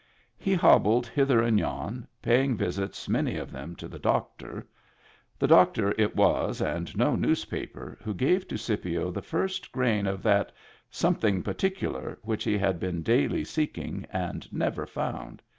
He hobbled hither and yon, paying visits, many of them to the doctor. The doctor it was, and no newspaper, who gave to Scipio the first grain of that "something particular" which he had been daily seeking and never found.